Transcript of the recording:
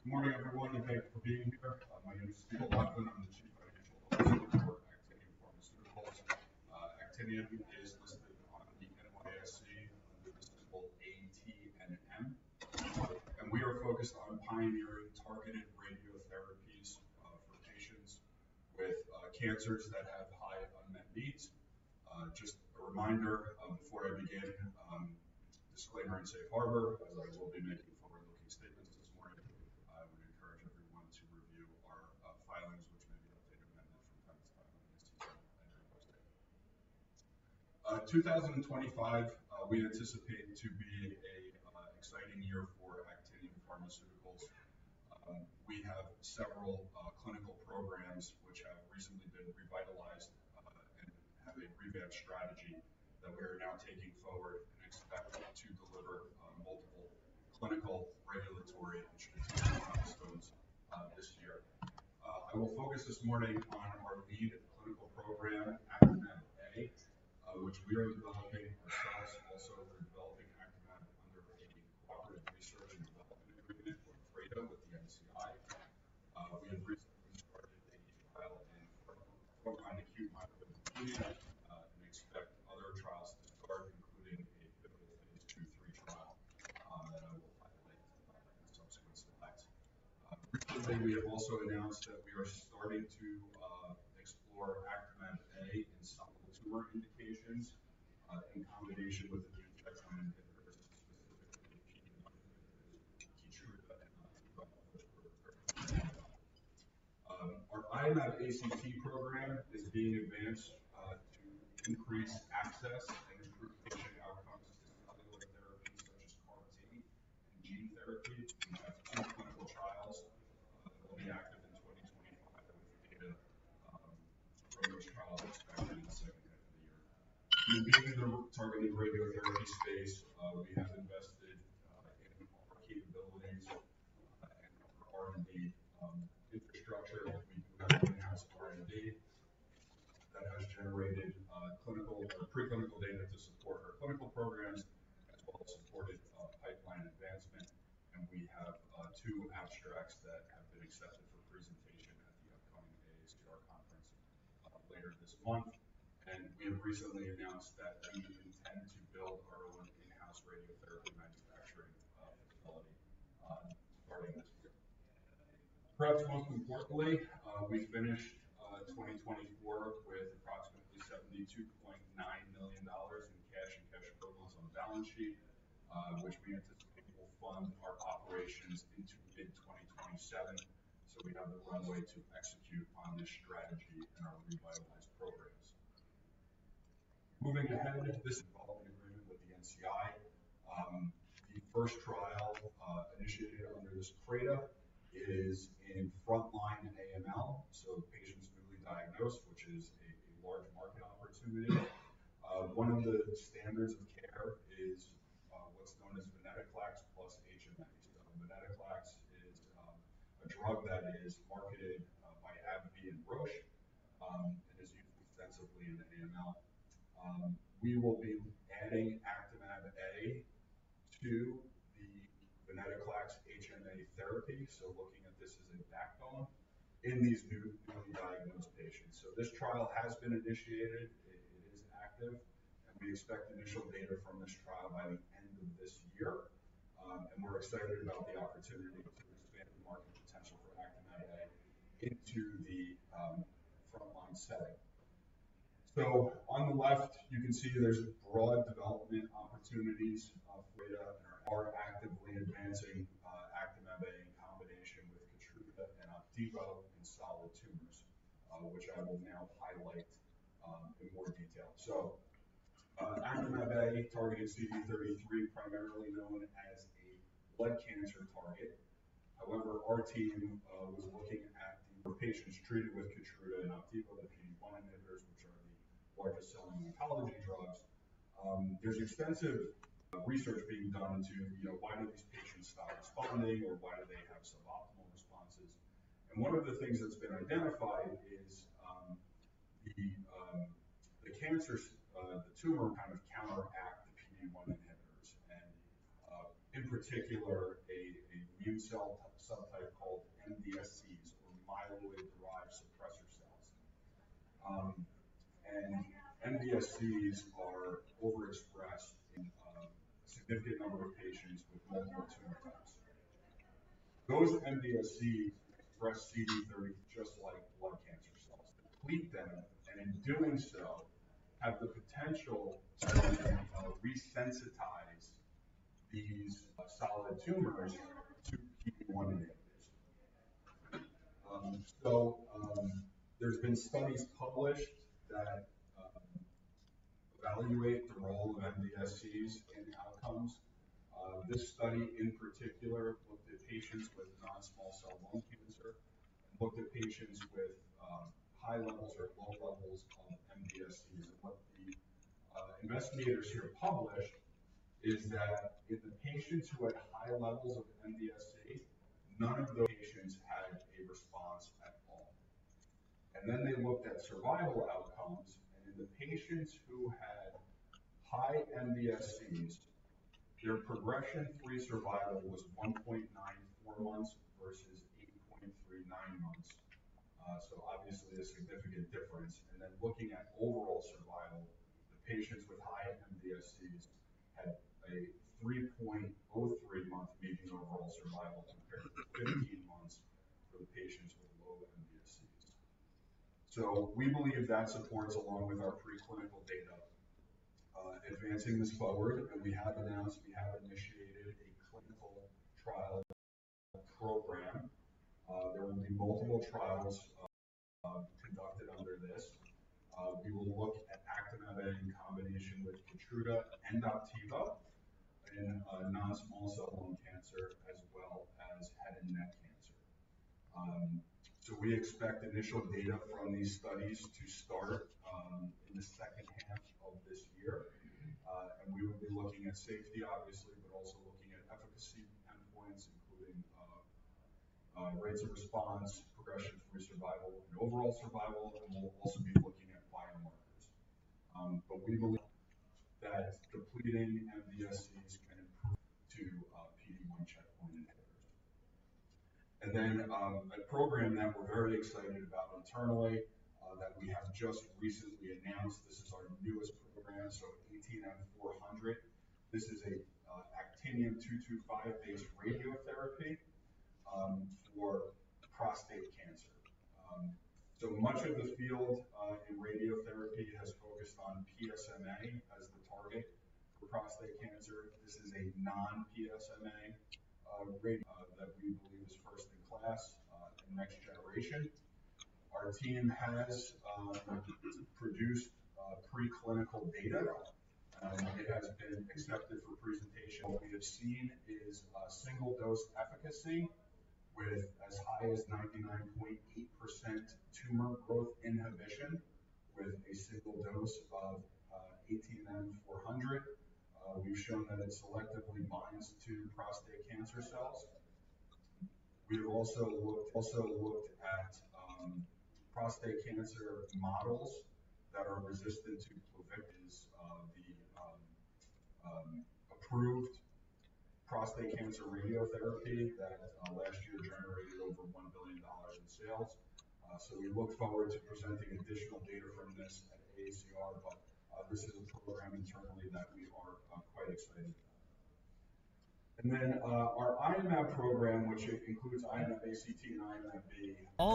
Good morning, everyone. Thank you for being here. My name is Steve O'Loughlin. I'm the Chief Financial Officer for Actinium Pharmaceuticals. Actinium is listed on the NYSE under the symbol ATNM, and we are focused on pioneering targeted radiotherapies for patients with cancers that have high unmet needs. Just a reminder before I begin, disclaimer and safe harbor, as I will be making forward-looking statements this morning. I would encourage everyone to review our filings, which may be updated annually from time to time on the SEC and investor deck. In 2025, we anticipate it to be an exciting year for Actinium Pharmaceuticals. We have several clinical programs which have recently been revitalized and have a revamped strategy that we are now taking forward and expect to deliver multiple clinical, regulatory, and strategic milestones this year. I will focus this morning on our lead clinical program, Actimab-A, which we are developing ourselves. Also, we're developing Actimab-A under a cooperative research and development agreement, or CRADA, with the National Cancer Institute. We have recently started a trial in frontline acute myeloid leukemia and expect other trials to start, including a pivotal phase II/III trial that I will highlight in subsequent slides. Recently, we have also announced that we are starting to explore Actimab-A in solid tumor indications in combination with an anti-PD-1 specifically Keytruda that we're currently working on. Our Iomab-ACT program is being advanced to increase access and improve patient outcomes to myeloid therapies such as CAR-T and gene therapy. We have two clinical trials that will be active in 2025, with data from those trials expected in the second half of the year. In the targeted radiotherapy space, we have invested in our capabilities and our R&D infrastructure. We do have an enhanced R&D that has generated preclinical data to support our clinical programs, as well as supported pipeline advancement. We have two abstracts that have been accepted for presentation at the upcoming AACR conference later this month. We have recently announced that we intend to build our own in-house radiotherapy manufacturing facility starting this year. Perhaps most importantly, we finished 2024 with approximately $72.9 million in cash and cash equivalents on the balance sheet, which we anticipate will fund our operations into mid-2027. We have the runway to execute on this strategy and our revitalized programs. Moving ahead, this involved an agreement with the NCI. The first trial initiated under this CRADA is in frontline AML, so patients newly diagnosed, which is a large market opportunity. One of the standards of care is what's known as venetoclax plus HMA. venetoclax is a drug that is marketed by AbbVie and Roche and is used extensively in the AML. We will be adding Actimab-A to the venetoclax HMA therapy, so looking at this as a backbone in these newly diagnosed patients. This trial has been initiated. It is active, and we expect initial data from this trial by the end of this year. We are excited about the opportunity to expand the market potential for Actimab-A into the frontline setting. On the left, you can see there are broad development opportunities for CRADA and are actively advancing Actimab-A in combination with Keytruda and Opdivo in solid tumors, which I will now highlight in more detail. Actimab-A targets CD33, primarily known as a blood cancer target. However, our team was looking at the patients treated with Keytruda and Opdivo, the PD-1 inhibitors, which are the largest selling oncology drugs. There's extensive research being done into why do these patients stop responding or why do they have suboptimal responses. One of the things that's been identified is the tumor kind of counteracts the PD-1 inhibitors, and in particular, an immune cell subtype called MDSCs, or myeloid-derived suppressor cells. MDSCs are overexpressed in a significant number of patients with multiple tumor types. Those MDSCs express CD33 just like blood cancer cells, deplete them, and in doing so, have the potential to resensitize these solid tumors to PD-1 inhibitors. There have been studies published that evaluate the role of MDSCs in outcomes. This study, in particular, looked at patients with non-small cell lung cancer and looked at patients with high levels or low levels of MDSCs. What the investigators here published is that in the patients who had high levels of MDSC, none of those patients had a response at all. They looked at survival outcomes. In the patients who had high MDSCs, their progression-free survival was 1.94 months versus 8.39 months. Obviously, a significant difference. Looking at overall survival, the patients with high MDSCs had a 3.03-month median overall survival compared to 15 months for the patients with low MDSCs. We believe that supports, along with our preclinical data, advancing this forward. We have announced we have initiated a clinical trial program. There will be multiple trials conducted under this. We will look at Actimab-A in combination with Keytruda and Opdivo in non-small cell lung cancer, as well as head and neck cancer. We expect initial data from these studies to start in the second half of this year. We will be looking at safety, obviously, but also looking at efficacy endpoints, including rates of response, progression-free survival, and overall survival. We will also be looking at biomarkers. We believe that depleting MDSCs can improve response to PD-1 checkpoint inhibitors. A program that we're very excited about internally that we have just recently announced is our newest program, so ATNM-400. This is an Actinium-225-based radiotherapy for prostate cancer. Much of the field in radiotherapy has focused on PSMA as the target for prostate cancer. This is a non-PSMA radiotherapy that we believe is first in class and next generation. Our team has produced preclinical data. It has been accepted for presentation. What we have seen is a single-dose efficacy with as high as 99.8% tumor growth inhibition with a single dose of ATNM-400. We've shown that it selectively binds to prostate cancer cells. We have also looked at prostate cancer models that are resistant to Pluvicto. Pluvicto is the approved prostate cancer radiotherapy that last year generated over $1 billion in sales. We look forward to presenting additional data from this at ASTRO. This is a program internally that we are quite excited about. Our Iomab program includes Iomab-ACT and Iomab-B.